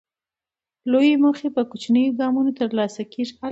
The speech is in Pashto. لویې موخې په کوچنیو ګامونو ترلاسه کېږي.